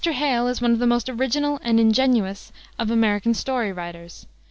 Hale is one of the most original and ingenious of American story writers.